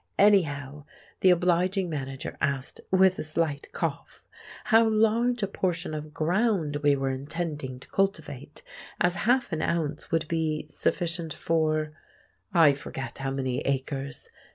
Anyhow, the obliging manager asked, with a slight cough, how large a portion of ground we were intending to cultivate, as half an ounce would be sufficient for—I forget how many acres!